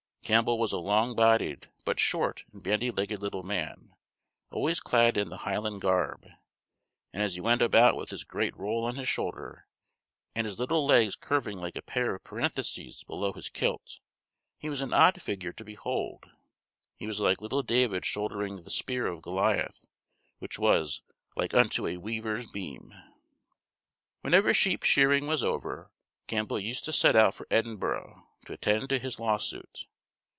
Campbell was a long bodied, but short and bandy legged little man, always clad in the Highland garb; and as he went about with this great roll on his shoulder, and his little legs curving like a pair of parentheses below his kilt, he was an odd figure to behold. He was like little David shouldering the spear of Goliath, which was "like unto a weaver's beam." Whenever sheep shearing was over, Campbell used to set out for Edinburgh to attend to his lawsuit.